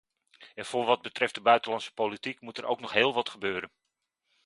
En voor wat betreft de buitenlandse politiek moet er ook nog heel wat gebeuren.